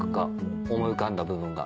思い浮かんだ部分が。